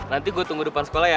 nanti gue tunggu depan sekolah ya